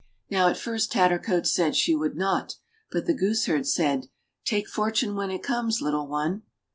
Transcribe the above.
Now at first Tattercoats said she would not ; but the gooseherd said, "Take fortune when it comes, little one."